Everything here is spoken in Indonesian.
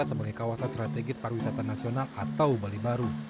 sebagai kawasan strategis pariwisata nasional atau bali baru